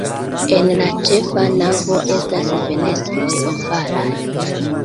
En la ĉefa navo estas fenestroj ovalaj.